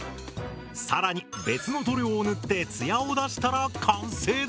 更に別の塗料を塗ってツヤを出したら完成だ。